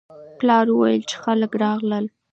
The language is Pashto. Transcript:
پلار وویل چې خلک راغلل.